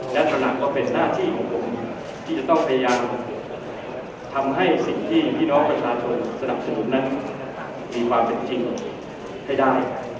และพลังก็เป็นหน้าที่ของผมที่จะต้องพยายามทำให้สิ่งที่พี่น้องประชาชนสนับสนุนนั้นมีความเป็นจริงให้ได้